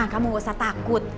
kamu gak usah takut